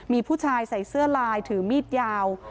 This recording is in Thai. มีผู้ชายใส่เสื้อลายถือมีดยาว